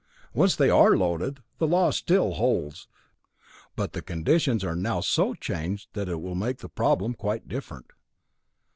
Once they are loaded, the law still holds, but the conditions are now so changed that it will make the problem quite different."